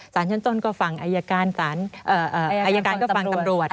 ชั้นต้นก็ฟังอายการสารอายการก็ฟังตำรวจ